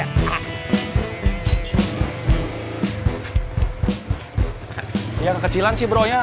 ini yang kekecilan sih bro nya